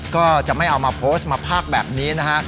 ก็จะไม่เอามาโพสต์มาพากแบบนี้นะฮะ